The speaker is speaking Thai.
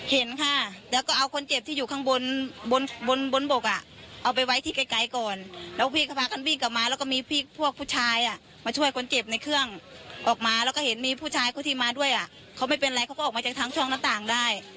เห็นค่ะแล้วก็เอาคนเจ็บที่อยู่ข้างบนบนบกเอาไปไว้ที่ไกลก่อนแล้วพี่เขาพากันวิ่งกลับมาแล้วก็มีพวกผู้ชายมาช่วยคนเจ็บในเครื่องออกมาแล้วก็เห็นมีผู้ชายคนที่มาด้วยเขาไม่เป็นไรเขาก็ออกมาจากทางช่องหน้าต่างได้